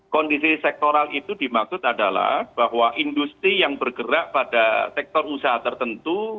kondisi sektoral itu dimaksud adalah bahwa industri yang bergerak pada sektor usaha tertentu